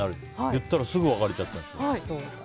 言ったらすぐ別れちゃったんでしょ。